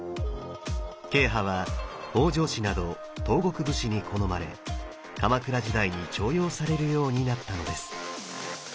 慶派は北条氏など東国武士に好まれ鎌倉時代に重用されるようになったのです。